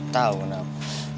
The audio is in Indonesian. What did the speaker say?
tau enggak apa